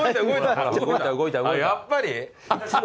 やっぱり？